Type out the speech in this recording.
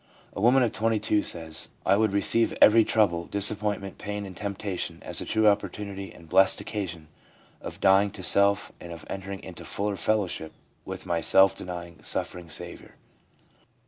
A woman of 22 says : 1 I would receive every trouble, disappointment, pain and temptation as a true opportunity and blessed occasion of dying to self and of entering into fuller fellowship with my self denying, suffering Saviour.